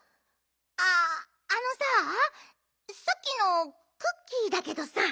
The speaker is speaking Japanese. あっあのささっきのクッキーだけどさ。